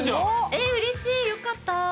えうれしいよかった！